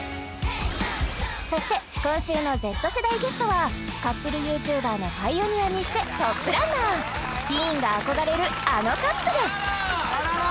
そして今週のＺ世代ゲストはカップルＹｏｕＴｕｂｅｒのパイオニアにしてトップランナーティーンが憧れるあのカップルあら！